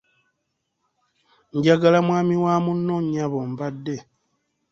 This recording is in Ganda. Njagala mwami wa muno nnyabo mbadde